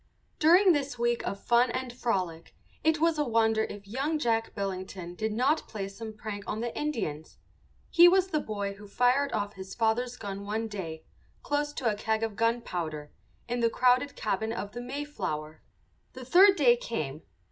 During this week of fun and frolic it was a wonder if young Jack Billington did not play some prank on the Indians. He was the boy who fired off his father's gun one day, close to a keg of gunpowder, in the crowded cabin of the Mayflower. The third day came.